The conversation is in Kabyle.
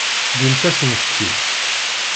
Wwint-asent-tt-id.